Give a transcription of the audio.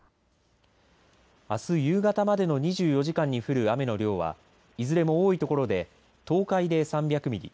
あす夕方までの２４時間に降る雨の量はいずれも多いところで東海で３００ミリ